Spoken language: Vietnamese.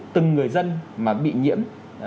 từng người dân mà bị nhiễm